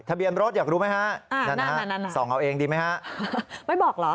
ทะเบียนรถอยากรู้ไหมฮะนั่นนะฮะส่องเอาเองดีไหมฮะไม่บอกเหรอ